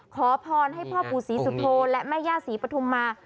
ขอพรให้พ่อปู่ศรีสุโธและแม่ย่าศรีปฐุมมา